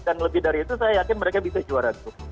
dan lebih dari itu saya yakin mereka bisa juara